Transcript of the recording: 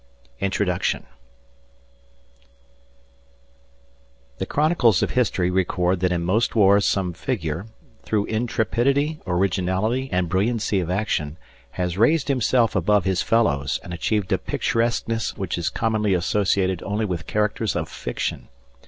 INTRODUCTION THE chronicles of history record that in most wars some figure, through intrepidity, originality, and brilliancy of action, has raised himself above his fellows and achieved a picturesqueness which is commonly associated only with characters of fiction.